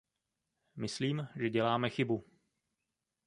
Myslím, že děláme chybu.